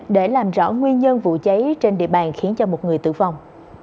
để làm rõ nguyên nhân vụ cháy trên địa bàn khiến cho một người tử vong